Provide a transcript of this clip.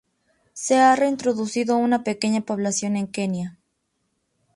Se ha reintroducido una pequeña población en Kenia.